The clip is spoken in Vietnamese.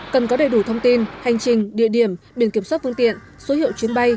cần có đầy đủ thông tin hành trình địa điểm biển kiểm soát phương tiện số hiệu chuyến bay